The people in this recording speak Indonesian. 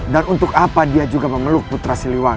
dan untuk apa dia juga memeluk putra siliwani